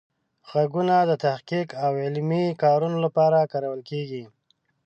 غږونه د تحقیق او علمي کارونو لپاره کارول کیږي.